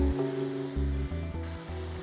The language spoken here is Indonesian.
kerajinan rotan yang berbeda